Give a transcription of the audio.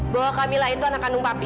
bahwa kamila itu anak kandung papi